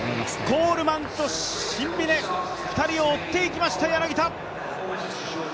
コールマンとシンビネ、２人を追っていきました、柳田。